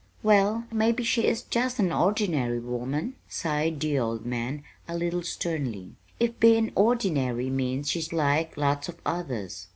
"Well, maybe she is just an ordinary woman," sighed the old man, a little sternly, "if bein' 'ordinary' means she's like lots of others.